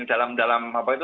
dalam dalam apa itu